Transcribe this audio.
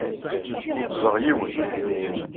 Ubẓeɣ yiwen.